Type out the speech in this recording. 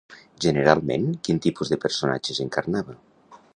Generalment, quin tipus de personatges encarnava?